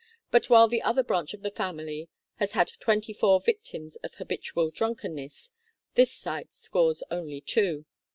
But while the other branch of the family has had twenty four vic tims of habitual drunkenness, this side scores only two.